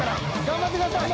頑張ってください。